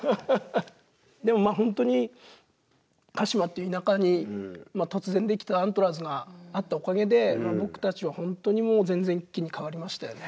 でもまあ本当に鹿島っていう田舎に突然できたアントラーズがあったおかげで僕たちは本当にもう全然一気に変わりましたよね。